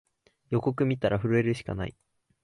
予告みたら震えるしかない